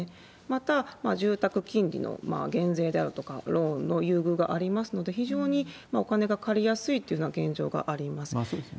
また、住宅金利の減税であるとかローンの優遇がありますので、非常にお金が借りやすいっていう現状があります。